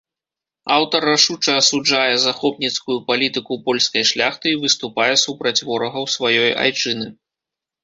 Аўтар рашуча асуджае захопніцкую палітыку польскай шляхты і выступае супраць ворагаў сваёй айчыны.